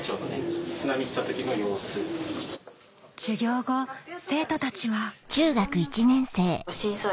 授業後生徒たちは。